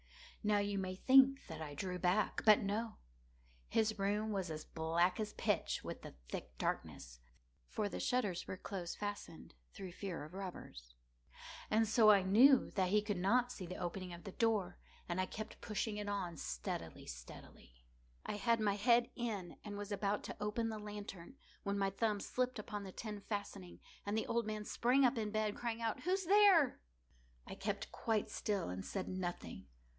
Now you may think that I drew back—but no. His room was as black as pitch with the thick darkness, (for the shutters were close fastened, through fear of robbers,) and so I knew that he could not see the opening of the door, and I kept pushing it on steadily, steadily. I had my head in, and was about to open the lantern, when my thumb slipped upon the tin fastening, and the old man sprang up in bed, crying out—"Who's there?" I kept quite still and said nothing.